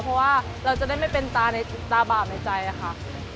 เพราะว่าเราจะได้ไม่เป็นตาในตาบาปในใจค่ะ